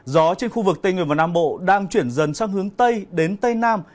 gió trên khu vực tây nguyên và nam bộ đang chuyển dần sang hướng tây đến tây nam